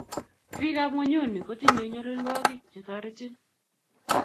Biik ab ngwenguni kutinyu nyolilwokik che terotin